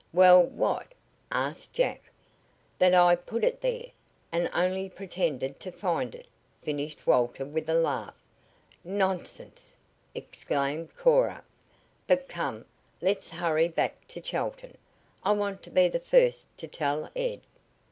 "Well, what?" asked Jack. "That I put it there, and only pretended to find it," finished Walter with a laugh. "Nonsense!" exclaimed Cora. "But come, let's hurry back to Chelton. I want to be the first to tell Ed."